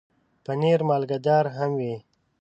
پنېر مالګهدار هم وي.